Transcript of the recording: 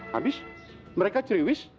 habis mereka ciriwis